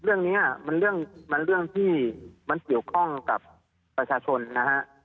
เรื่องนี้มันเรื่องมันเรื่องที่มันเกี่ยวข้องกับประชาชนนะฮะ